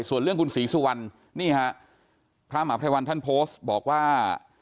ส่วนเรื่องคุณศรีสุวรรณนี่ฮะพระมหาภัยวันท่านโพสต์บอกว่า